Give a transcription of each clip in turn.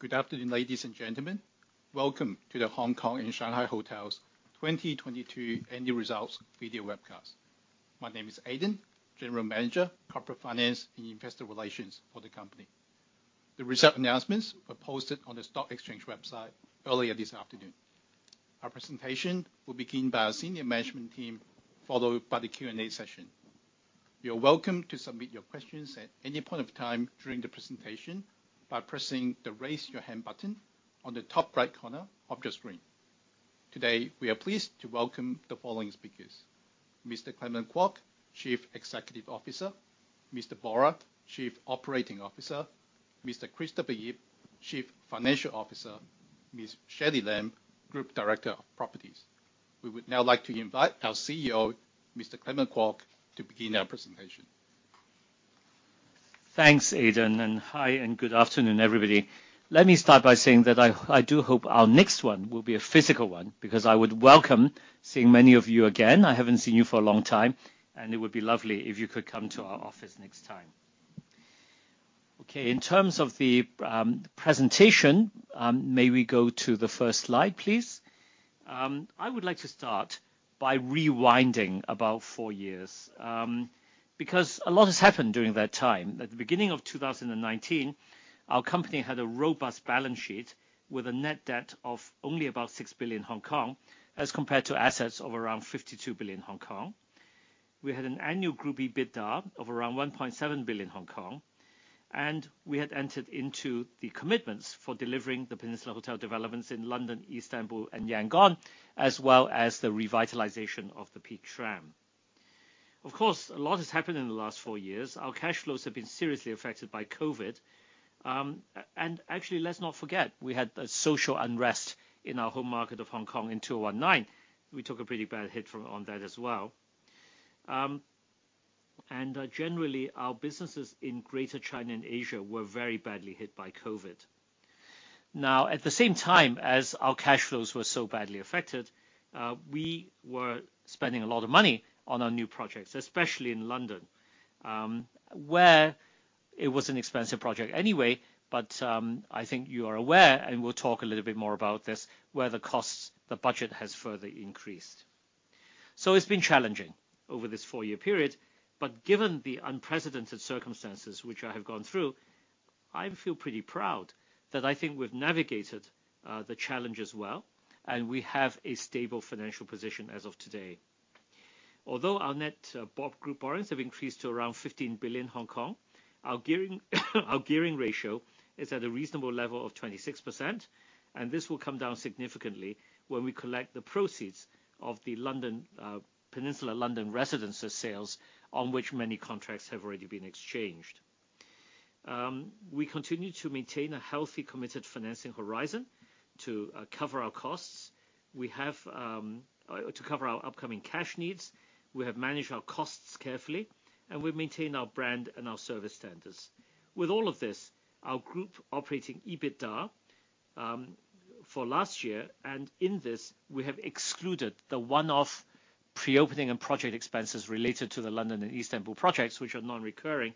Good afternoon, ladies and gentlemen. Welcome to The Hongkong and Shanghai Hotels 2022 annual results video webcast. My name is Aiden, General Manager, Corporate Finance and Investor Relations for the company. The result announcements were posted on the stock exchange website earlier this afternoon. Our presentation will begin by our Senior Management team, followed by the Q&A session. You are welcome to submit your questions at any point of time during the presentation by pressing the Raise Your Hand button on the top right corner of the screen. Today, we are pleased to welcome the following speakers: Mr. Clement Kwok, Chief Executive Officer, Mr. Borer, Chief Operating Officer, Mr. Christopher Ip, Chief Financial Officer, Ms. Shirley Lam, Group Director of Properties. We would now like to invite our CEO, Mr. Clement Kwok, to begin our presentation. Thanks, Aiden hi and good afternoon everybody. Let me start by saying that I do hope our next one will be a physical one because I would welcome seeing many of you again. I haven't seen you for a long time, it would be lovely if you could come to our office next time. Okay. In terms of the presentation, may we go to the first slide, please? I would like to start by rewinding about four years, because a lot has happened during that time. At the beginning of 2019, our company had a robust balance sheet with a net debt of only about 6 billion Hong Kong, as compared to assets of around 52 billion Hong Kong. We had an annual group EBITDA of around 1.7 billion Hong Kong, and we had entered into the commitments for delivering The Peninsula London, The Peninsula Istanbul, and Yangon, as well as the revitalization of the Peak Tram. Of course, a lot has happened in the last four years. Our cash flows have been seriously affected by COVID. Actually, let's not forget, we had a social unrest in our home market of Hong Kong in 2019. We took a pretty bad hit from, on that as well. Generally our businesses in Greater China and Asia were very badly hit by COVID. At the same time as our cash flows were so badly affected, we were spending a lot of money on our new projects, especially in London, where it was an expensive project anyway, but I think you are aware, and we'll talk a little bit more about this, where the costs, the budget has further increased. It's been challenging over this four year period, but given the unprecedented circumstances which I have gone through, I feel pretty proud that I think we've navigated the challenges well, and we have a stable financial position as of today. Although our net group borrowings have increased to around 15 billion Hong Kong, our gearing ratio is at a reasonable level of 26%, and this will come down significantly when we collect the proceeds of the London, Peninsula London Residences sales on which many contracts have already been exchanged. We continue to maintain a healthy, committed financing horizon to cover our costs. We have to cover our upcoming cash needs, we have managed our costs carefully, and we've maintained our brand and our service standards. With all of this, our group Operating EBITDA for last year, and in this we have excluded the one-off pre-opening and project expenses related to the London and Istanbul projects, which are non-recurring.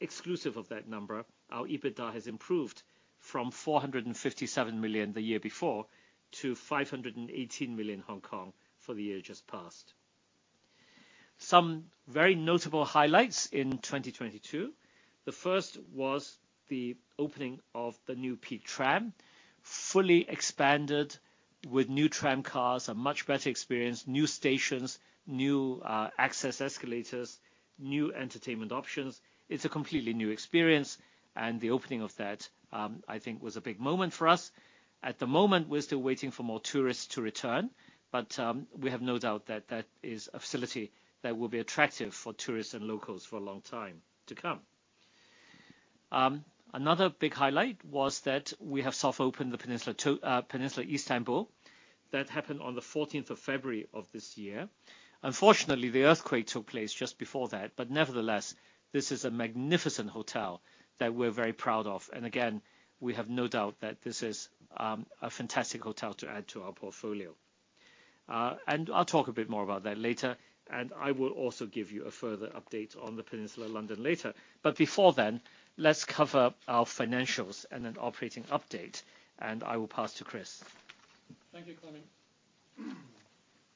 Exclusive of that number, our EBITDA has improved from 457 million the year before to 518 million Hong Kong for the year just passed. Some very notable highlights in 2022. The first was the opening of the new Peak Tram, fully expanded with new tram cars, a much better experience, new stations, new access escalators, new entertainment options. It's a completely new experience, the opening of that, I think was a big moment for us. At the moment, we're still waiting for more tourists to return, we have no doubt that that is a facility that will be attractive for tourists and locals for a long time to come. Another big highlight was that we have soft opened The Peninsula Istanbul. That happened on the 14th of February of this year. Unfortunately, the earthquake took place just before that, but nevertheless, this is a magnificent hotel that we're very proud of. Again, we have no doubt that this is a fantastic hotel to add to our portfolio. I'll talk a bit more about that later, and I will also give you a further update on The Peninsula London later. Before then, let's cover our financials and an operating update, and I will pass to Chris. Thank you, Clement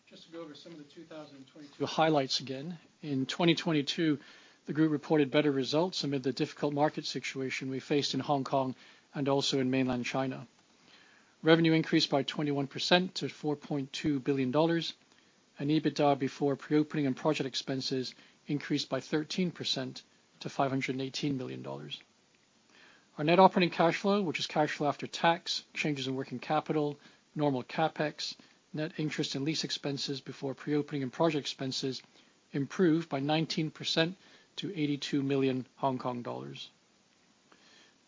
just to go over some of the 2022 highlights again. In 2022, the group reported better results amid the difficult market situation we faced in Hong Kong and also in mainland China. Revenue increased by 21% to 4.2 billion dollars, and EBITDA before pre-opening and project expenses increased by 13% to 518 million dollars. Our net operating cash flow, which is cash flow after tax, changes in working capital, normal CapEx, net interest and lease expenses before pre-opening and project expenses improved by 19% to 82 million Hong Kong dollars.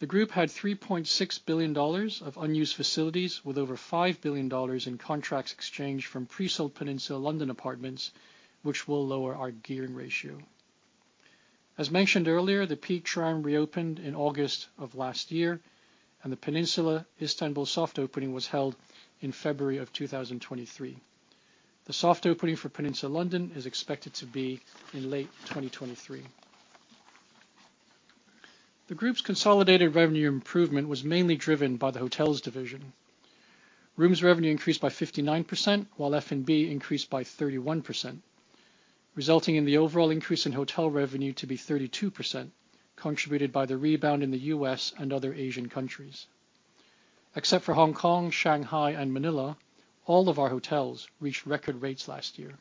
The group had 3.6 billion dollars of unused facilities with over 5 billion dollars in contracts exchanged from pre-sold Peninsula London apartments, which will lower our gearing ratio. As mentioned earlier, the Peak Tram reopened in August of last year, and the Peninsula Istanbul soft opening was held in February of 2023. The soft opening for Peninsula London is expected to be in late 2023. The group's consolidated revenue improvement was mainly driven by the hotels division. Rooms revenue increased by 59%, while F&B increased by 31%, resulting in the overall increase in hotel revenue to be 32% contributed by the rebound in the U.S. and other Asian countries. Except for Hong Kong, Shanghai, and Manila, all of our hotels reached record rates last year.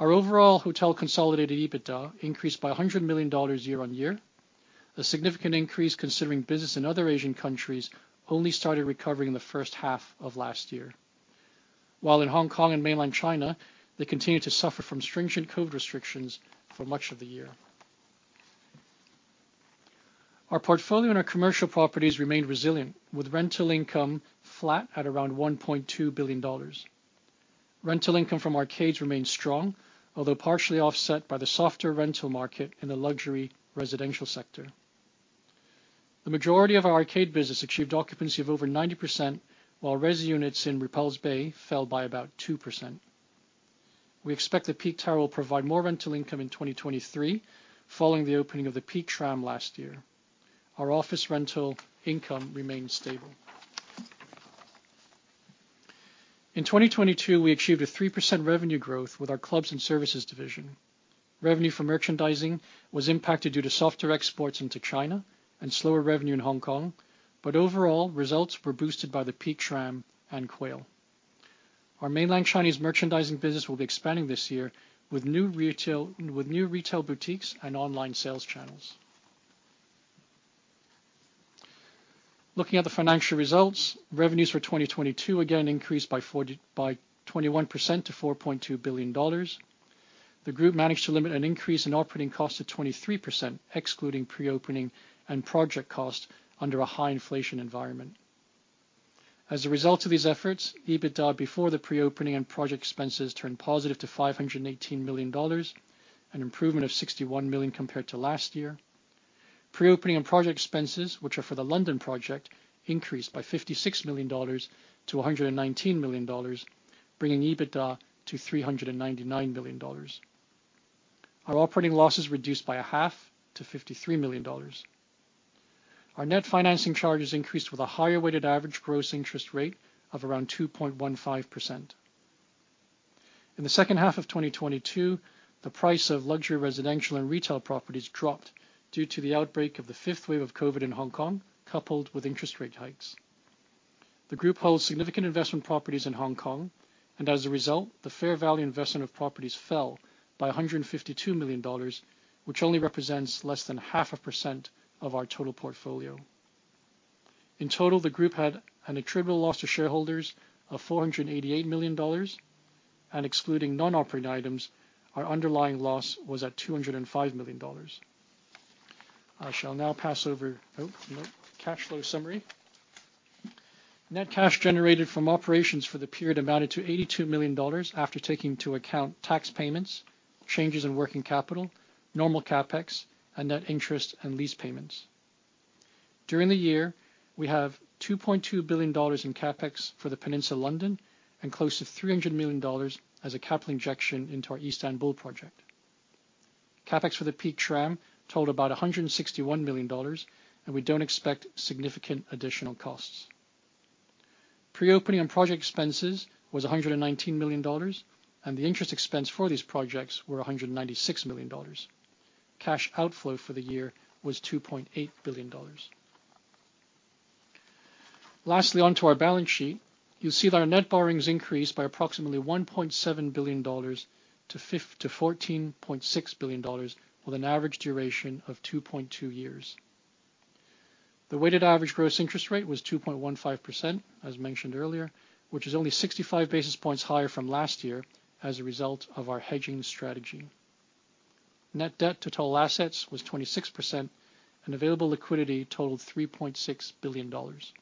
Our overall hotel consolidated EBITDA increased by 100 million dollars year-over-year. A significant increase considering business in other Asian countries only started recovering in the first half of last year. In Hong Kong and Mainland China, they continued to suffer from stringent COVID restrictions for much of the year. Our portfolio in our commercial properties remained resilient with rental income flat at around 1.2 billion dollars. Rental income from arcades remained strong, although partially offset by the softer rental market in the luxury residential sector. The majority of our arcade business achieved occupancy of over 90%, while resi units in Repulse Bay fell by about 2%. We expect that Peak Tower will provide more rental income in 2023 following the opening of the Peak Tram last year. Our office rental income remained stable. In 2022, we achieved a 3% Revenue Growth with our clubs and services division. Revenue for merchandising was impacted due to softer exports into China and slower revenue in Hong Kong, overall, results were boosted by the Peak Tram and Quail. Our mainland Chinese merchandising business will be expanding this year with new retail boutiques and online sales channels. Looking at the financial results, revenues for 2022 again increased by 21% to 4.2 billion dollars. The group managed to limit an increase in operating costs to 23%, excluding pre-opening and project costs under a high inflation environment. As a result of these efforts, EBITDA before the pre-opening and project expenses turned positive to 518 million dollars, an improvement of 61 million compared to last year. Pre-opening and project expenses, which are for the London project, increased by 56 million dollars to 119 million dollars, bringing EBITDA to 399 million dollars. Our operating losses reduced by a half to 53 million dollars. Our net financing charges increased with a higher weighted average gross interest rate of around 2.15%. In the second half of 2022, the price of luxury residential and retail properties dropped due to the outbreak of the 5th wave of COVID in Hong Kong, coupled with interest rate hikes. The group holds significant investment properties in Hong Kong. As a result, the fair value investment of properties fell by 152 million dollars, which only represents less than half a percent of our total portfolio. In total, the group had an attributable loss to shareholders of 488 million dollars, and excluding non-operating items, our underlying loss was at 205 million dollars. Cash flow summary. Net cash generated from operations for the period amounted to 82 million dollars after taking into account tax payments, changes in working capital, normal CapEx, and net interest and lease payments. During the year, we have 2.2 billion dollars in CapEx for the Peninsula London and close to 300 million dollars as a capital injection into our Istanbul project. CapEx for the Peak Tram totaled about 161 million dollars, and we don't expect significant additional costs. Pre-opening and project expenses was 119 million dollars, and the interest expense for these projects were 196 million dollars. Cash outflow for the year was 2.8 billion dollars. Lastly, onto our balance sheet. You'll see that our net borrowings increased by approximately 1.7 billion dollars to 14.6 billion dollars, with an average duration of 2.2 years. The weighted average gross interest rate was 2.15%, as mentioned earlier, which is only 65 basis points higher from last year as a result of our hedging strategy. Net debt to total assets was 26%, and available liquidity totaled 3.6 billion dollars.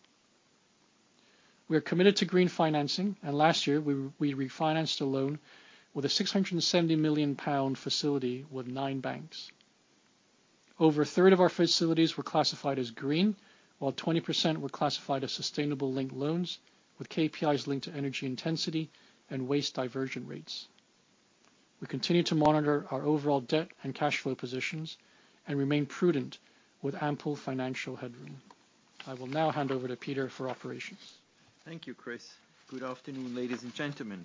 We are committed to green financing, and last year, we refinanced a loan with a HKD 670 million facility with nine banks. Over a third of our facilities were classified as green, while 20% were classified as sustainability-linked loans with KPIs linked to energy intensity and waste diversion rates. We continue to monitor our overall debt and cash flow positions and remain prudent with ample financial headroom. I will now hand over to Peter for operations. Thank you, Chris Good afternoon ladies and gentlemen.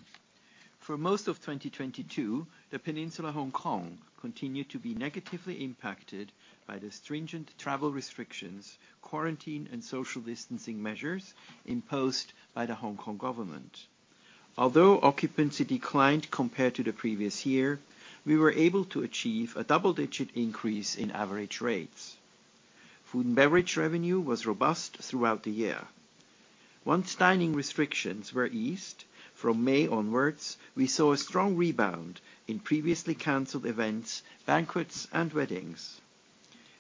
For most of 2022, The Peninsula Hong Kong continued to be negatively impacted by the stringent travel restrictions, quarantine, and social distancing measures imposed by the Hong Kong government. Although occupancy declined compared to the previous year, we were able to achieve a double-digit increase in average rates. Food and beverage revenue was robust throughout the year. Once dining restrictions were eased, from May onwards, we saw a strong rebound in previously canceled events, banquets, and weddings.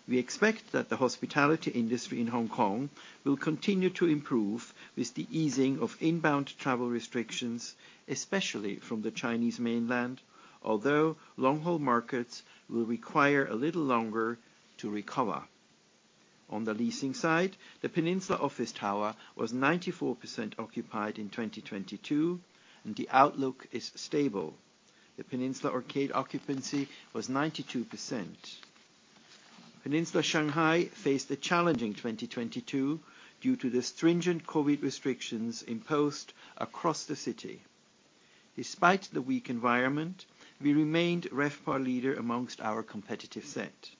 We expect that the hospitality industry in Hong Kong will continue to improve with the easing of inbound travel restrictions, especially from the Chinese mainland, although long-haul markets will require a little longer to recover. On the leasing side, The Peninsula office tower was 94% occupied in 2022, and the outlook is stable. The Peninsula Arcade occupancy was 92%. Peninsula Shanghai faced a challenging 2022 due to the stringent COVID restrictions imposed across the city. Despite the weak environment, we remained RevPAR leader amongst our competitive set.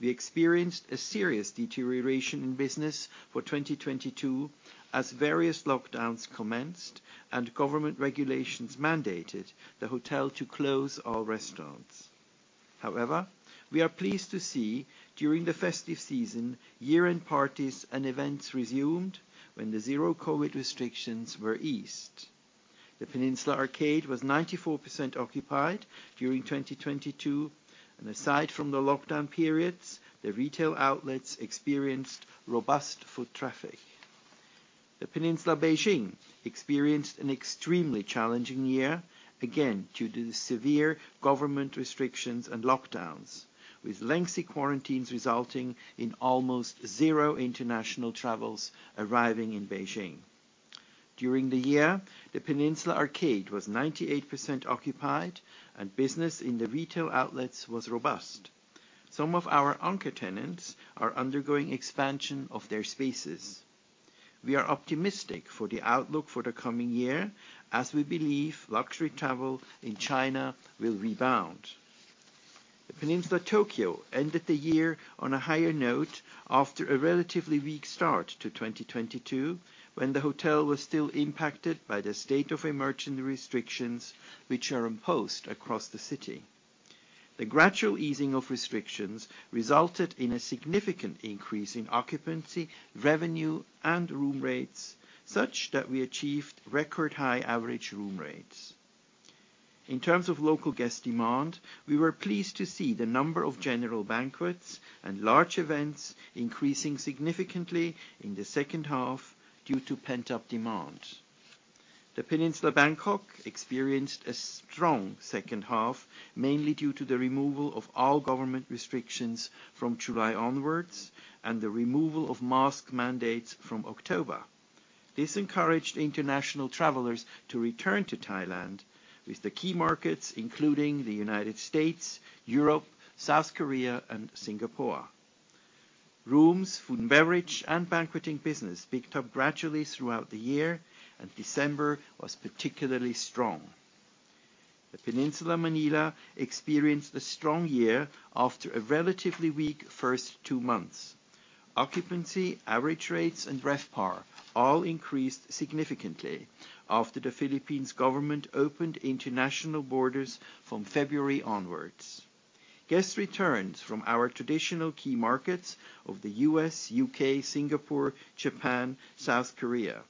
We experienced a serious deterioration in business for 2022 as various lockdowns commenced and government regulations mandated the hotel to close our restaurants. However, we are pleased to see during the festive season, year-end parties and events resumed when the zero-COVID restrictions were eased. The Peninsula Arcade was 94% occupied during 2022, and aside from the lockdown periods, the retail outlets experienced robust foot traffic. The Peninsula Beijing experienced an extremely challenging year, again, due to the severe government restrictions and lockdowns, with lengthy quarantines resulting in almost zero international travels arriving in Beijing. During the year, the Peninsula Arcade was 98% occupied and business in the retail outlets was robust. Some of our anchor tenants are undergoing expansion of their spaces. We are optimistic for the outlook for the coming year, as we believe luxury travel in China will rebound. The Peninsula Tokyo ended the year on a higher note after a relatively weak start to 2022, when the hotel was still impacted by the state of emergency restrictions which are imposed across the city. The gradual easing of restrictions resulted in a significant increase in occupancy, revenue, and room rates, such that we achieved record high average room rates. In terms of local guest demand, we were pleased to see the number of general banquets and large events increasing significantly in the second half due to pent-up demand. The Peninsula Bangkok experienced a strong second half, mainly due to the removal of all government restrictions from July onwards and the removal of mask mandates from October. This encouraged international travelers to return to Thailand with the key markets, including the United States, Europe, South Korea, and Singapore. Rooms, food and beverage, and banqueting business picked up gradually throughout the year, and December was particularly strong. The Peninsula Manila experienced a strong year after a relatively weak first two months. Occupancy, average rates, and RevPAR all increased significantly after the Philippines government opened international borders from February onwards. Guests returned from our traditional key markets of the U.S., U.K., Singapore, Japan, South Korea,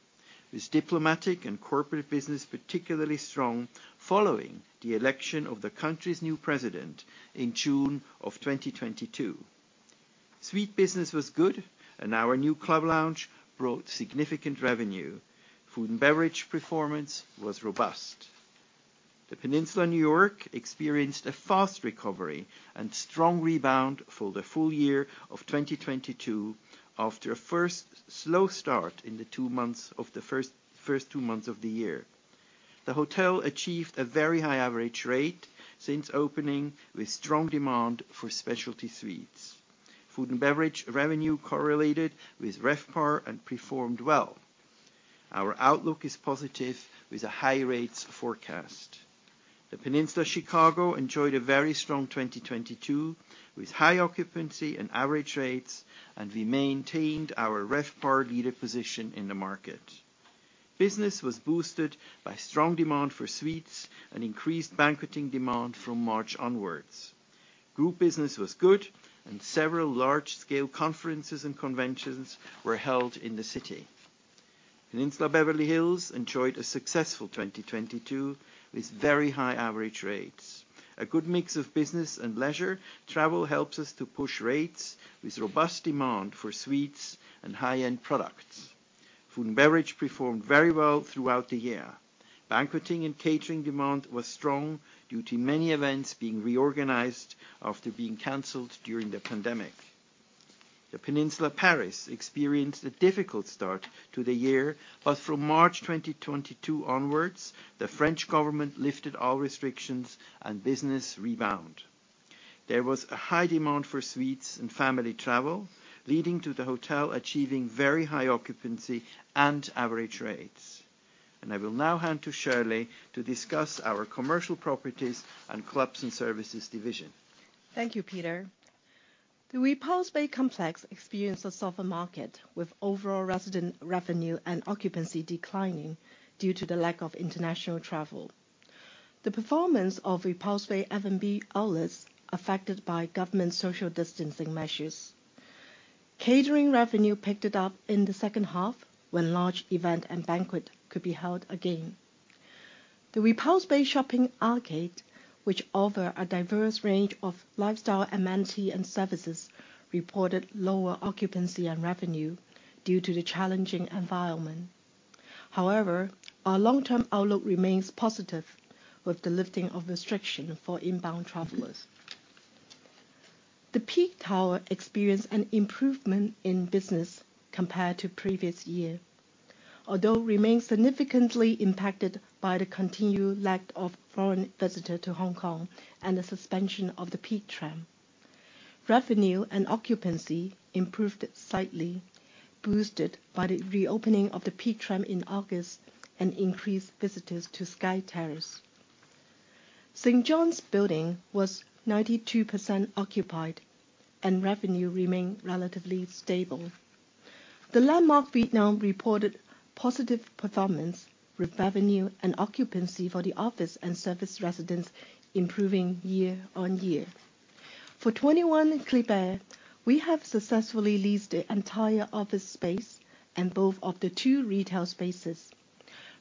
with diplomatic and corporate business particularly strong following the election of the country's new president in June of 2022. Suite business was good, and our new club lounge brought significant revenue. Food and beverage performance was robust. The Peninsula New York experienced a fast recovery and strong rebound for the full year of 2022 after a first slow start in the first two months of the year. The hotel achieved a very high average rate since opening with strong demand for specialty suites. Food and beverage revenue correlated with RevPAR and performed well. Our outlook is positive with a high rates forecast. The Peninsula Chicago enjoyed a very strong 2022 with high occupancy and average rates, and we maintained our RevPAR leader position in the market. Business was boosted by strong demand for suites and increased banqueting demand from March onwards. Group business was good. Several large-scale conferences and conventions were held in the city. Peninsula Beverly Hills enjoyed a successful 2022 with very high average rates. A good mix of business and leisure travel helps us to push rates with robust demand for suites and high-end products. Food and beverage performed very well throughout the year. Banqueting and catering demand was strong due to many events being reorganized after being canceled during the pandemic. The Peninsula Paris experienced a difficult start to the year. From March 2022 onwards, the French government lifted all restrictions and business rebound. There was a high demand for suites and family travel, leading to the hotel achieving very high occupancy and average rates. I will now hand to Shirley to discuss our commercial properties and clubs and services division. Thank you, Peter the Repulse Bay complex experienced a softer market, with overall resident revenue and occupancy declining due to the lack of international travel. The performance of Repulse Bay F&B outlets affected by government social distancing measures. Catering revenue picked it up in the second half when large event and banquet could be held again. The Repulse Bay shopping arcade, which offer a diverse range of lifestyle amenity and services, reported lower occupancy and revenue due to the challenging environment. Our long term outlook remains positive with the lifting of restriction for inbound travelers. The Peak Tower experienced an improvement in business compared to previous year, although remains significantly impacted by the continued lack of foreign visitor to Hong Kong and the suspension of the Peak Tram. Revenue and occupancy improved slightly, boosted by the reopening of the Peak Tram in August and increased visitors to Sky Terrace. St. John’s Building was 92% occupied, and revenue remained relatively stable. The Landmark Vietnam reported positive performance with revenue and occupancy for the office and service residents improving year-on-year. For 21 avenue Kléber, we have successfully leased the entire office space and both of the two retail spaces.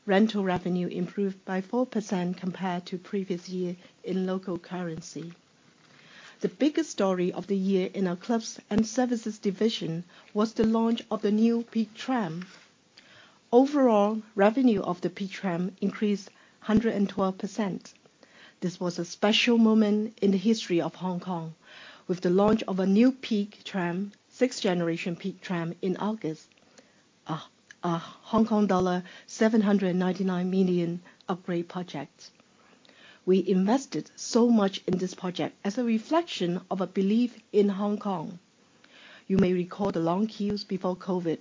Rental revenue improved by 4% compared to previous year in local currency. The biggest story of the year in our clubs and services division was the launch of the new Peak Tram. Overall, revenue of the Peak Tram increased 112%. This was a special moment in the history of Hong Kong with the launch of a new Peak Tram, 6th generation Peak Tram in August. A Hong Kong dollar 799 million upgrade project. We invested so much in this project as a reflection of a belief in Hong Kong. You may recall the long queues before COVID.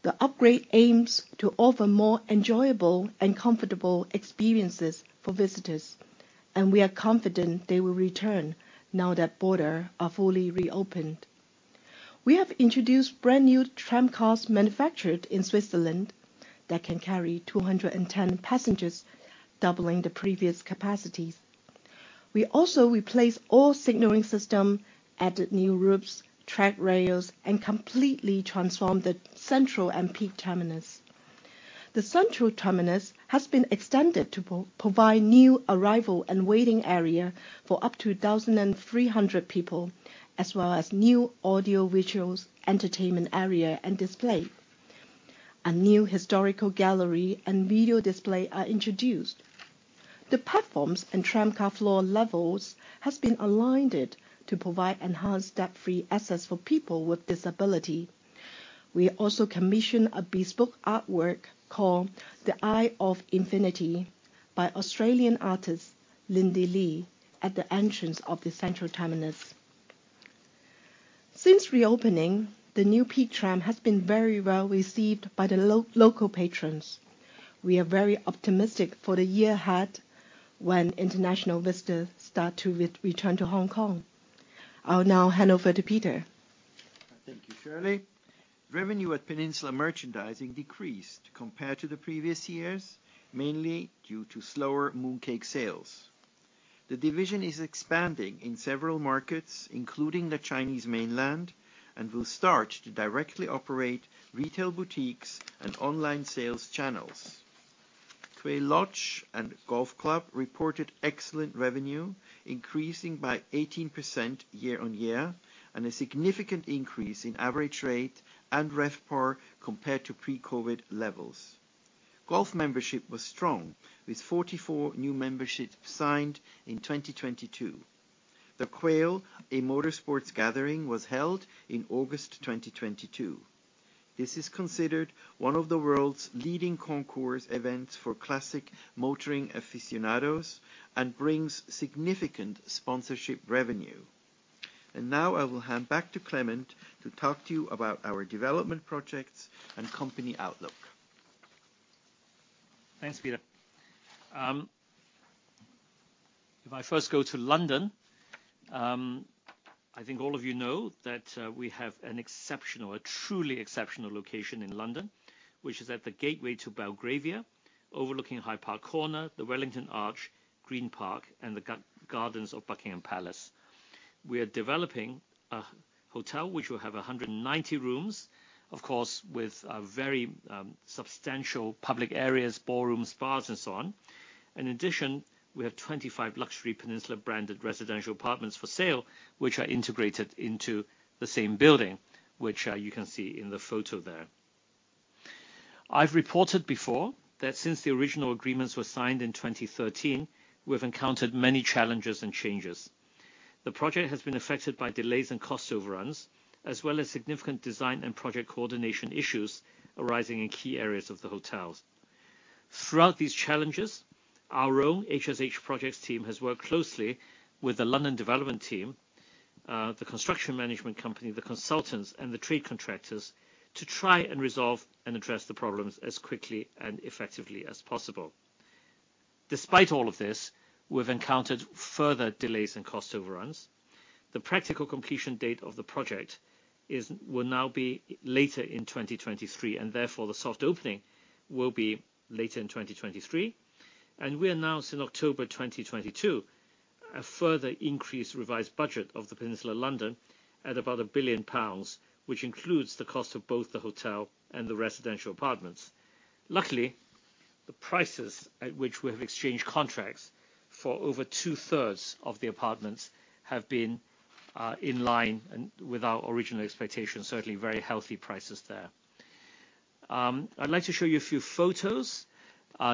The upgrade aims to offer more enjoyable and comfortable experiences for visitors. We are confident they will return now that border are fully reopened. We have introduced brand new tram cars manufactured in Switzerland that can carry 210 passengers, doubling the previous capacities. We also replaced all signaling system, added new roofs, track rails, and completely transformed the Central and Peak Terminus. The Central Terminus has been extended to provide new arrival and waiting area for up to 1,300 people, as well as new audio visuals, entertainment area, and display. A new historical gallery and video display are introduced. The platforms and tram car floor levels has been aligned to provide enhanced step-free access for people with disability. We also commissioned a bespoke artwork called The Eye of Infinity by Australian artist Lindy Lee at the entrance of the Central Terminus. Since reopening, the new Peak Tram has been very well received by the local patrons. We are very optimistic for the year ahead when international visitors start to return to Hong Kong. I'll now hand over to Peter. Thank you, Shirley. Revenue at Peninsula Merchandising decreased compared to the previous years, mainly due to slower mooncake sales. The division is expanding in several markets, including the Chinese Mainland, and will start to directly operate retail boutiques and online sales channels. Quail Lodge & Golf Club reported excellent revenue, increasing by 18% year-over-year, and a significant increase in average rate and RevPAR compared to pre-COVID levels. Golf membership was strong with 44 new memberships signed in 2022. The Quail, a Motorsports Gathering, was held in August 2022. This is considered one of the world's leading concourse events for classic motoring aficionados and brings significant sponsorship revenue. Now I will hand back to Clement to talk to you about our development projects and company outlook. Thanks, Peter. If I first go to London, I think all of you know that we have an exceptional, a truly exceptional location in London, which is at the gateway to Belgravia, overlooking Hyde Park Corner, the Wellington Arch, Green Park, and the gardens of Buckingham Palace. We are developing a hotel which will have 190 rooms, of course, with a very substantial public areas, ballrooms, spas, and so on. In addition, we have 25 luxury Peninsula branded residential apartments for sale, which are integrated into the same building, which you can see in the photo there. I've reported before that since the original agreements were signed in 2013, we've encountered many challenges and changes. The project has been affected by delays and cost overruns, as well as significant design and project coordination issues arising in key areas of the hotels. Throughout these challenges, our own HSH projects team has worked closely with the London development team, the construction management company, the consultants, and the trade contractors to try and resolve and address the problems as quickly and effectively as possible. Despite all of this, we've encountered further delays and cost overruns. The practical completion date of the project will now be later in 2023, and therefore the soft opening will be later in 2023. We announced in October 2022 a further increased revised budget of The Peninsula London at about 1 billion pounds, which includes the cost of both the hotel and the residential apartments. Luckily, prices at which we have exchanged contracts for over 2/3 of the apartments have been in line and with our original expectations. Certainly very healthy prices there. I'd like to show you a few photos.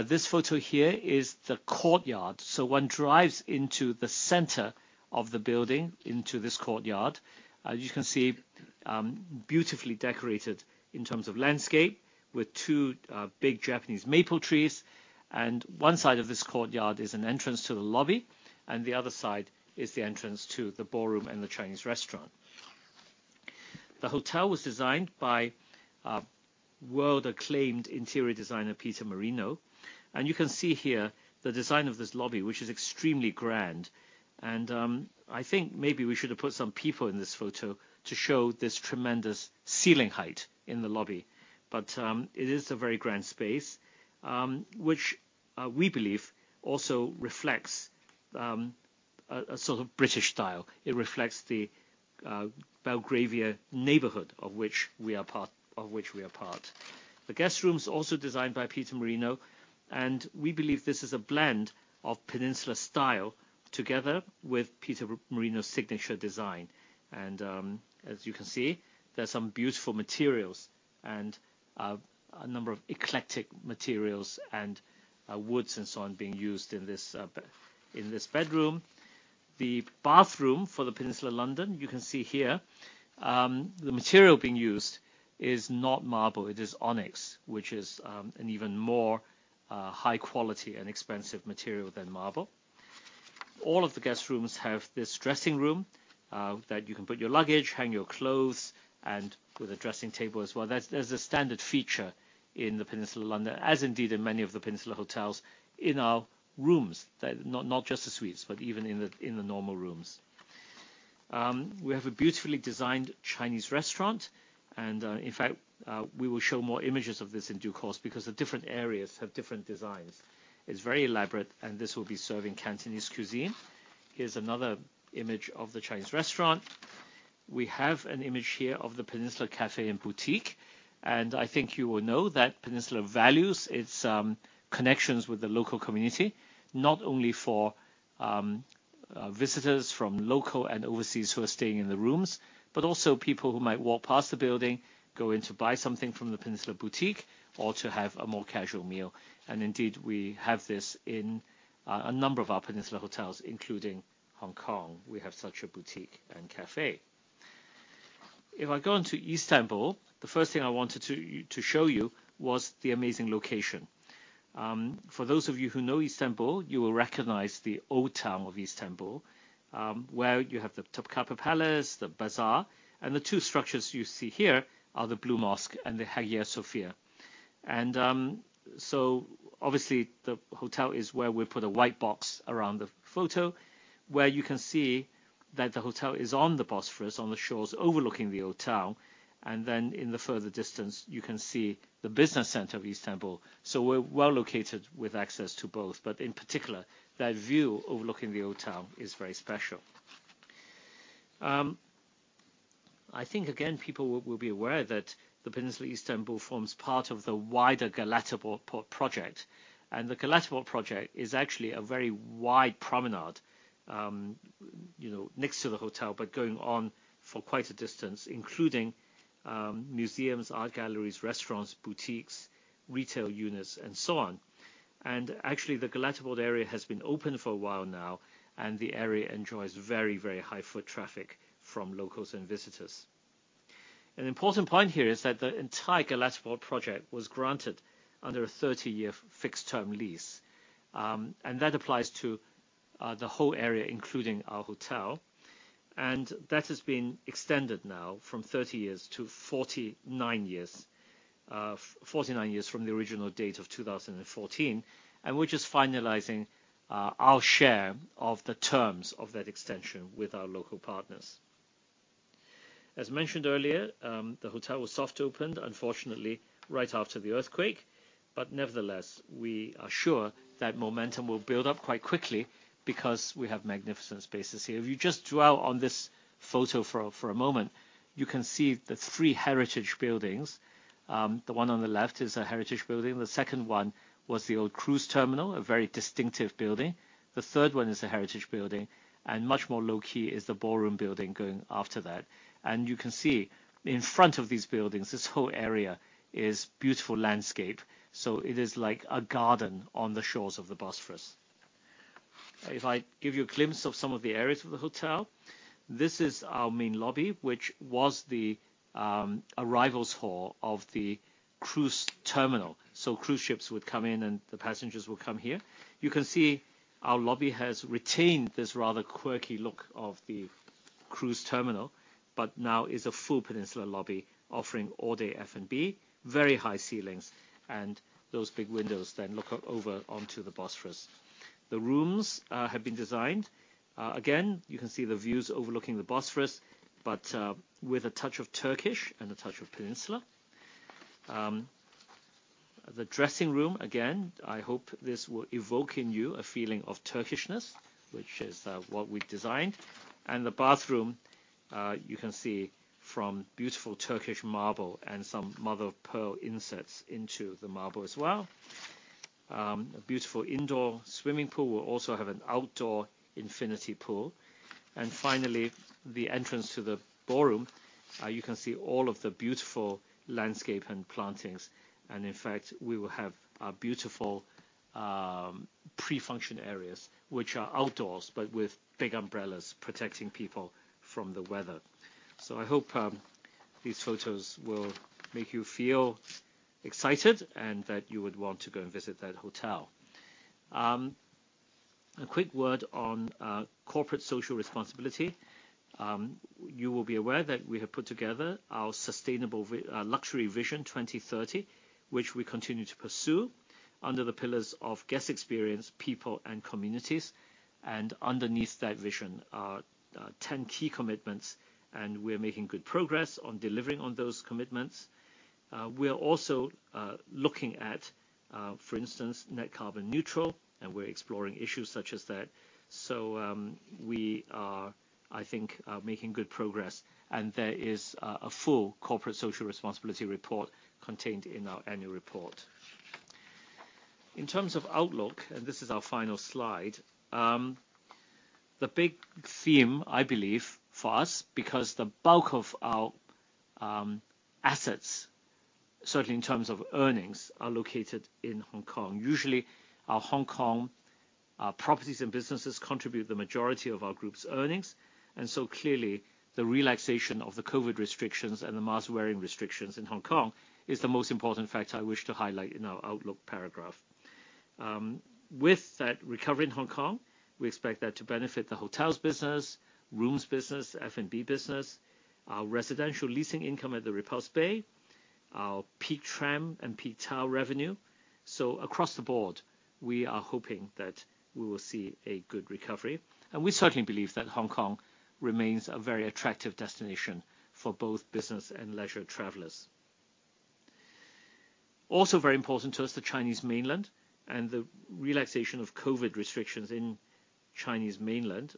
This photo here is the courtyard. One drives into the center of the building into this courtyard. As you can see, beautifully decorated in terms of landscape, with two big Japanese maple trees. one side of this courtyard is an entrance to the lobby, and the other side is the entrance to the ballroom and the Chinese restaurant. The hotel was designed by a world-acclaimed interior designer, Peter Marino. You can see here the design of this lobby, which is extremely grand. I think maybe we should have put some people in this photo to show this tremendous ceiling height in the lobby. It is a very grand space, which we believe also reflects a sort of British style. It reflects the Belgravia neighborhood of which we are part. The guest rooms, also designed by Peter Marino, we believe this is a blend of Peninsula style together with Peter Marino's signature design. As you can see, there are some beautiful materials, a number of eclectic materials, woods and so on being used in this bedroom. The bathroom for The Peninsula London, you can see here, the material being used is not marble, it is onyx, which is an even more high quality and expensive material than marble. All of the guest rooms have this dressing room that you can put your luggage, hang your clothes, and with a dressing table as well. There's a standard feature in The Peninsula London, as indeed in many of the Peninsula hotels in our rooms. They're not just the suites, but even in the, in the normal rooms. We have a beautifully designed Chinese restaurant, and in fact, we will show more images of this in due course because the different areas have different designs. It's very elaborate, and this will be serving Cantonese cuisine. Here's another image of the Peninsula Cafe and Boutique. And I think you will know that Peninsula values its connections with the local community, not only for visitors from local and overseas who are staying in the rooms, but also people who might walk past the building, go in to buy something from the Peninsula Boutique or to have a more casual meal. Indeed, we have this in a number of our Peninsula hotels, including Hong Kong, we have such a boutique and café. If I go on to Istanbul, the first thing I wanted to show you was the amazing location. For those of you who know Istanbul, you will recognize the old town of Istanbul, where you have the Topkapi Palace, the bazaar, and the two structures you see here are the Blue Mosque and the Hagia Sophia. Obviously the hotel is where we put a white box around the photo, where you can see that the hotel is on the Bosphorus, on the shores overlooking the old town. In the further distance, you can see the business center of Istanbul. We're well located with access to both. In particular, that view overlooking the old town is very special. I think again, people will be aware that The Peninsula Istanbul forms part of the wider Galataport Project. The Galataport Project is actually a very wide promenade, you know, next to the hotel, but going on for quite a distance, including museums, art galleries, restaurants, boutiques, retail units and so on. Actually, the Galataport area has been open for a while now, and the area enjoys very, very high foot traffic from locals and visitors. An important point here is that the entire Galataport project was granted under a 30-year fixed term lease. That applies to the whole area, including our hotel. That has been extended now from 30 years to 49 years, 49 years from the original date of 2014. We're just finalizing our share of the terms of that extension with our local partners. As mentioned earlier, the hotel was soft opened, unfortunately, right after the earthquake. Nevertheless, we are sure that momentum will build up quite quickly because we have magnificent spaces here. If you just dwell on this photo for a moment, you can see the three heritage buildings. The one on the left is a heritage building. The second one was the old cruise terminal, a very distinctive building. The third one is a heritage building. Much more low-key is the ballroom building going after that. You can see in front of these buildings, this whole area is beautiful landscape. It is like a garden on the shores of the Bosphorus. If I give you a glimpse of some of the areas of the hotel, this is our main lobby, which was the arrivals hall of the cruise terminal. Cruise ships would come in, and the passengers would come here. You can see our lobby has retained this rather quirky look of the cruise terminal, but now is a full Peninsula lobby offering all-day F&B, very high ceilings, and those big windows then look over onto the Bosphorus. The rooms have been designed. Again, you can see the views overlooking the Bosphorus, but with a touch of Turkish and a touch of Peninsula. The dressing room, again, I hope this will evoke in you a feeling of Turkishness, which is what we designed. The bathroom. You can see from beautiful Turkish marble and some mother-of-pearl insets into the marble as well. A beautiful indoor swimming pool. We'll also have an outdoor infinity pool. Finally, the entrance to the ballroom. You can see all of the beautiful landscape and plantings. In fact, we will have beautiful pre-function areas which are outdoors but with big umbrellas protecting people from the weather. I hope these photos will make you feel excited and that you would want to go and visit that hotel. A quick word on corporate social responsibility. You will be aware that we have put together our Sustainable Luxury Vision 2030, which we continue to pursue under the pillars of guest experience, people, and communities. Underneath that vision are 10 key commitments, and we're making good progress on delivering on those commitments. We're also looking at, for instance, Net carbon neutral, and we're exploring issues such as that. We are, I think, making good progress, and there is a full corporate social responsibility report contained in our annual report. In terms of outlook, and this is our final slide, the big theme, I believe, for us, because the bulk of our assets, certainly in terms of earnings, are located in Hong Kong. Usually our Hong Kong properties and businesses contribute the majority of our group's earnings. Clearly the relaxation of the COVID restrictions and the mask-wearing restrictions in Hong Kong is the most important fact I wish to highlight in our outlook paragraph. With that recovery in Hong Kong, we expect that to benefit the hotels business, rooms business, F&B business, our residential leasing income at the Repulse Bay, our Peak Tram and Peak Tower revenue. Across the board, we are hoping that we will see a good recovery. We certainly believe that Hong Kong remains a very attractive destination for both business and leisure travelers. Also very important to us, the Chinese mainland and the relaxation of COVID restrictions in Chinese mainland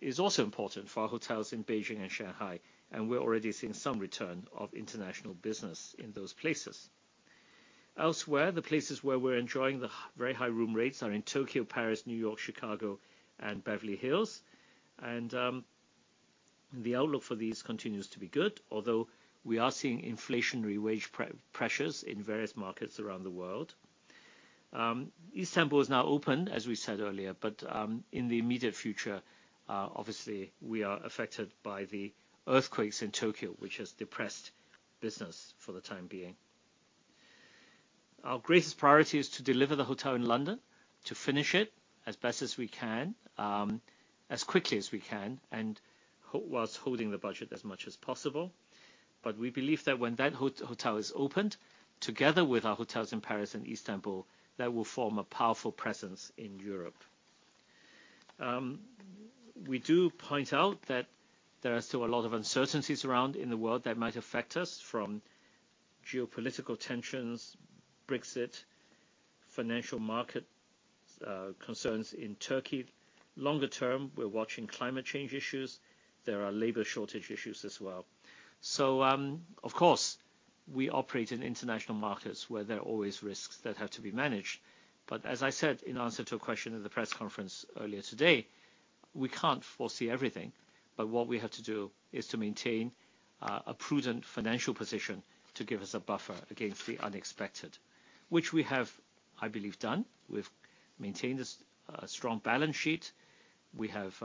is also important for our hotels in Beijing and Shanghai, and we're already seeing some return of international business in those places. Elsewhere, the places where we're enjoying the very high room rates are in Tokyo, Paris, New York, Chicago, and Beverly Hills. The outlook for these continues to be good, although we are seeing inflationary wage pre-pressures in various markets around the world. Istanbul is now open, as we said earlier. In the immediate future, obviously we are affected by the earthquakes in Tokyo, which has depressed business for the time being. Our greatest priority is to deliver the hotel in London, to finish it as best as we can, as quickly as we can, whilst holding the budget as much as possible. We believe that when that hotel is opened, together with our hotels in Paris and Istanbul, that will form a powerful presence in Europe. We do point out that there are still a lot of uncertainties around in the world that might affect us, from geopolitical tensions, Brexit, financial market concerns in Turkey. Longer term, we're watching climate change issues. There are labor shortage issues as well. Of course, we operate in international markets where there are always risks that have to be managed. As I said in answer to a question in the press conference earlier today, we can't foresee everything. What we have to do is to maintain a prudent financial position to give us a buffer against the unexpected, which we have, I believe, done. We've maintained this strong balance sheet. We have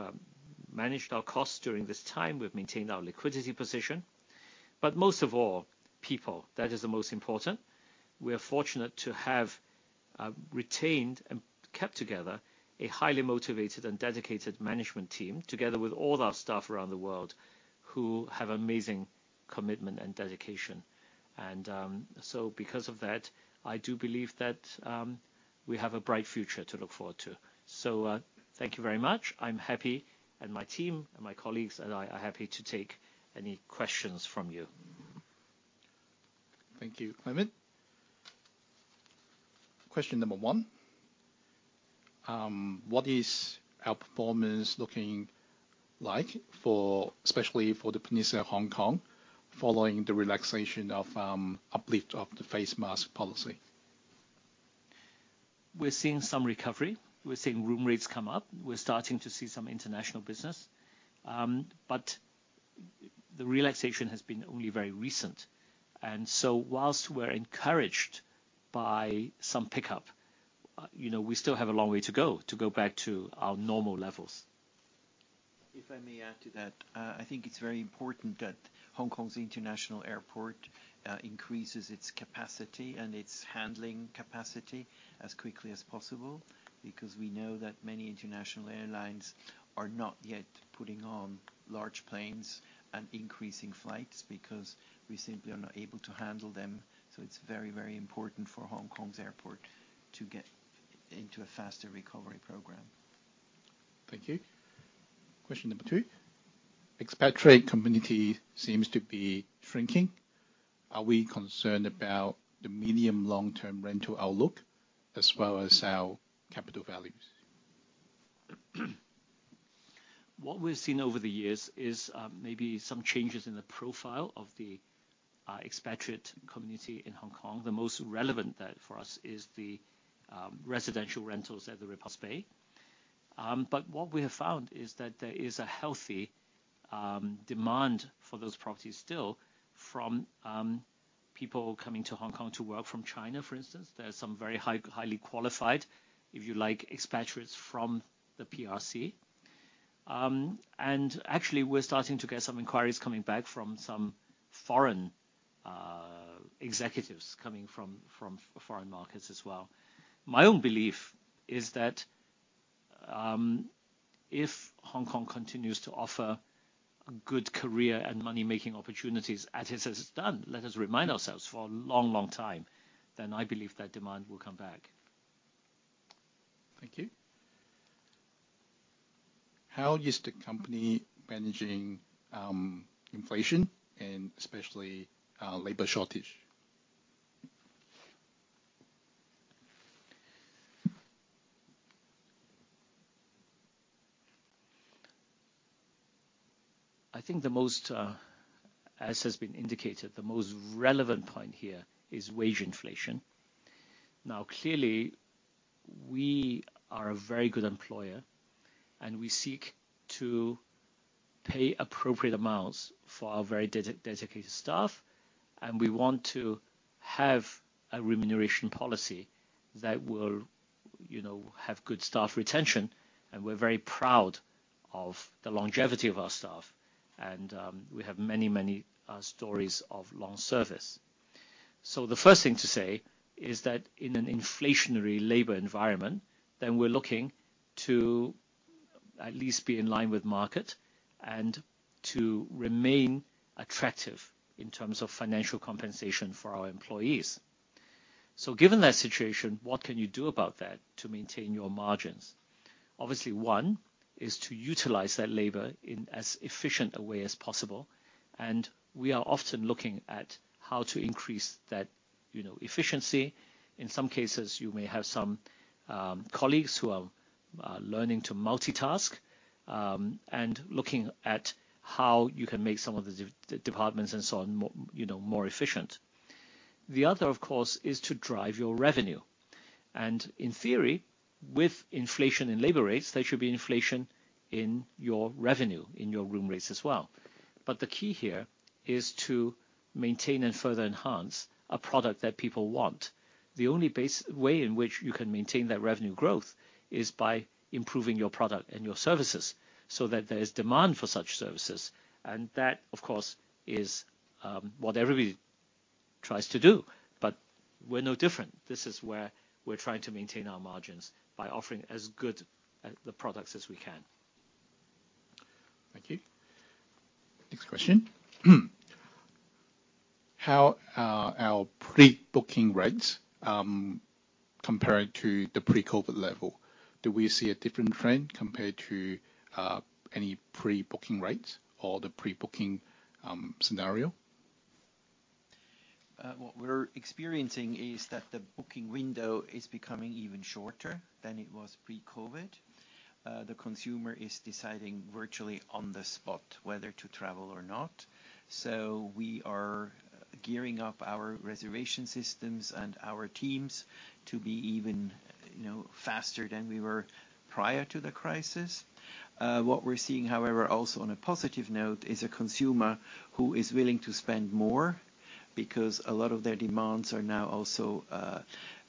managed our costs during this time. We've maintained our Liquidity Position. Most of all, people, that is the most important. We are fortunate to have retained and kept together a highly motivated and dedicated management team, together with all our staff around the world who have amazing commitment and dedication. Because of that, I do believe that we have a bright future to look forward to. Thank you very much. I'm happy, and my team and my colleagues and I are happy to take any questions from you. Thank you, Clement. Question number one. What is our performance looking like for, especially for The Peninsula Hong Kong following the relaxation of uplift of the face mask policy? We're seeing some recovery. We're seeing room rates come up. We're starting to see some international business. The relaxation has been only very recent. Whilst we're encouraged by some pickup, you know, we still have a long way to go to go back to our normal levels. I may add to that, I think it's very important that Hong Kong's international airport increases its capacity and its handling capacity as quickly as possible, because we know that many international airlines are not yet putting on large planes and increasing flights because we simply are not able to handle them. It's very, very important for Hong Kong's airport to get into a faster recovery program. Thank you. Question number two. Expat trade community seems to be shrinking. Are we concerned about the medium, long-term rental outlook as well as our capital values? What we've seen over the years is maybe some changes in the profile of the expatriate community in Hong Kong. The most relevant there for us is the residential rentals at The Repulse Bay. What we have found is that there is a healthy demand for those properties still from people coming to Hong Kong to work from China, for instance. There are some very highly qualified, if you like, expatriates from the PRC. Actually, we're starting to get some inquiries coming back from some foreign executives coming from foreign markets as well. My own belief is that if Hong Kong continues to offer good career and money-making opportunities as it has done, let us remind ourselves, for a long, long time, then I believe that demand will come back. Thank you. How is the company managing inflation and especially labor shortage? I think the most, as has been indicated, the most relevant point here is wage inflation. Clearly, we are a very good employer, and we seek to pay appropriate amounts for our very dedicated staff, and we want to have a remuneration policy that will, you know, have good staff retention, and we're very proud of the longevity of our staff and, we have many, many stories of long service. The first thing to say is that in an inflationary labor environment, then we're looking to at least be in line with market and to remain attractive in terms of financial compensation for our employees. Given that situation, what can you do about that to maintain your margins? Obviously, one is to utilize that labor in as efficient a way as possible. We are often looking at how to increase that, you know, efficiency. In some cases, you may have some colleagues who are learning to multitask, and looking at how you can make some of the departments and so on more, you know, more efficient. The other, of course, is to drive your revenue. In theory, with inflation and labor rates, there should be inflation in your revenue, in your room rates as well. The key here is to maintain and further enhance a product that people want. The only way in which you can maintain that Revenue Growth is by improving your product and your services so that there is demand for such services. That, of course, is what everybody tries to do. We're no different. This is where we're trying to maintain our margins, by offering as good, the products as we can. Thank you. Next question. How are our pre-booking rates comparing to the pre-COVID level? Do we see a different trend compared to any pre-booking rates or the pre-booking scenario? What we're experiencing is that the booking window is becoming even shorter than it was pre-COVID. The consumer is deciding virtually on the spot whether to travel or not. We are gearing up our reservation systems and our teams to be even, you know, faster than we were prior to the crisis. What we're seeing, however, also on a positive note, is a consumer who is willing to spend more because a lot of their demands are now also,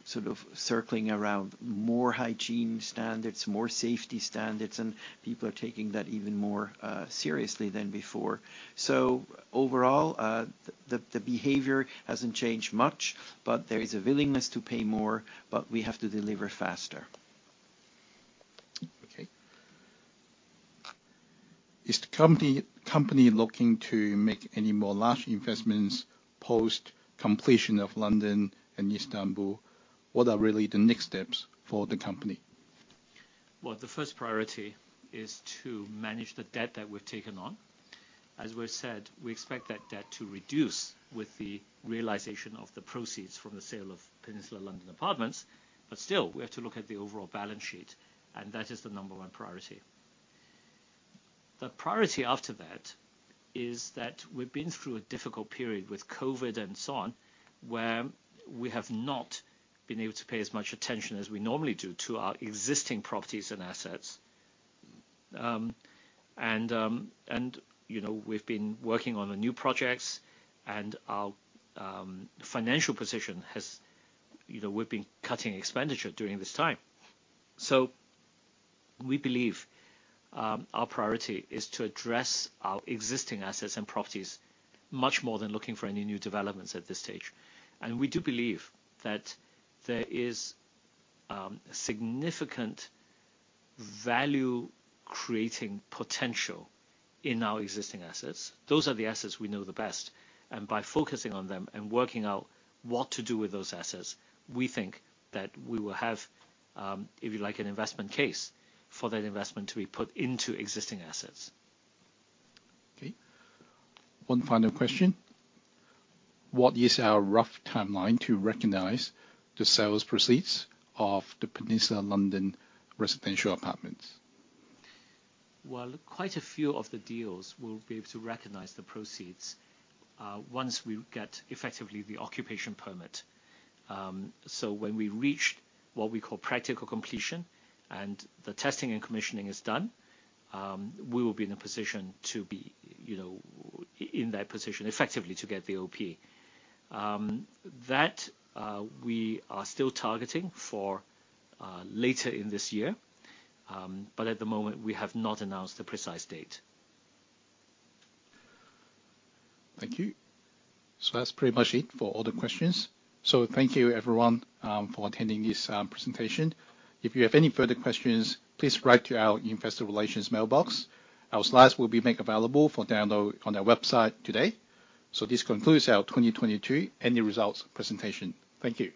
sort of circling around more hygiene standards, more safety standards, and people are taking that even more, seriously than before. Overall, the behavior hasn't changed much, but there is a willingness to pay more, but we have to deliver faster. Okay. Is the company looking to make any more large investments post completion of London and Istanbul? What are really the next steps for the company? The first priority is to manage the debt that we've taken on. As we've said, we expect that debt to reduce with the realization of the proceeds from the sale of Peninsula London apartments. Still, we have to look at the overall balance sheet, and that is the number one priority. The priority after that is that we've been through a difficult period with COVID and so on, where we have not been able to pay as much attention as we normally do to our existing properties and assets. You know, we've been working on the new projects and our financial position has, you know, we've been cutting expenditure during this time. We believe our priority is to address our existing assets and properties much more than looking for any new developments at this stage. We do believe that there is significant value creating potential in our existing assets. Those are the assets we know the best, and by focusing on them and working out what to do with those assets, we think that we will have, if you like, an investment case for that investment to be put into existing assets. Okay. One final question. What is our rough timeline to recognize the sales proceeds of the Peninsula London residential apartments? Well, quite a few of the deals, we'll be able to recognize the proceeds once we get effectively the occupation permit. When we reach what we call practical completion and the testing and commissioning is done, we will be in a position to be, you know, in that position effectively to get the OP. That we are still targeting for later in this year. At the moment, we have not announced a precise date. Thank you. That's pretty much it for all the questions. Thank you, everyone, for attending this presentation. If you have any further questions, please write to our investor relations mailbox. Our slides will be made available for download on our website today. This concludes our 2022 annual results presentation. Thank you.